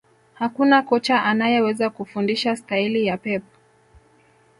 Hakuna kocha anayeweza kufundisha staili ya Pep